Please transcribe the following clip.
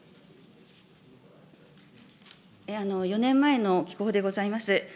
４年前の寄稿でございます。